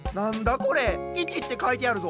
これ「１」ってかいてあるぞ。